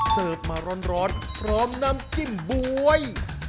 เสิร์ฟมาร้อนพร้อมน้ำจิ้มบ๊วย